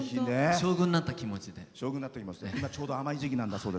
将軍になった気持ちで。